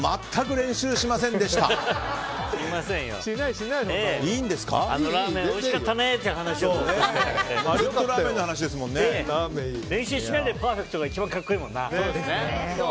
練習しないでパーフェクトが一番格好いいもんな。